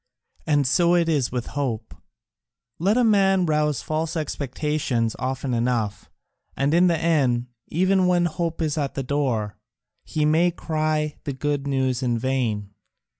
And so it is with hope. Let a man rouse false expectations often enough, and in the end, even when hope is at the door, he may cry the good news in vain.